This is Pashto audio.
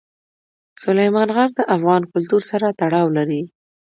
سلیمان غر د افغان کلتور سره تړاو لري.